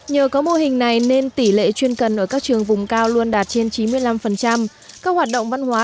nhờ có mô hình này nên tỷ lệ chuyên cần ở các trường vùng cao luôn đạt trên chín mươi năm